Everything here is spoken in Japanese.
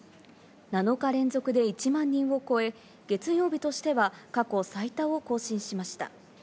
７日連続で１万人を超え、月曜日としては過去最多を更新しました。